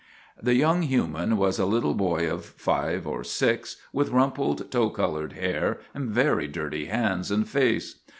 The young human was a little boy of five or six, with rumpled, tow colored hair and very dirty hands and face.